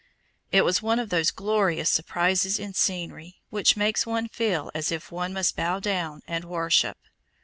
It was one of those glorious surprises in scenery which make one feel as if one must bow down and worship.